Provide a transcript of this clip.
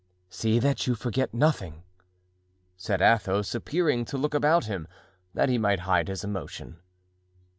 "See that you forget nothing," said Athos, appearing to look about him, that he might hide his emotion.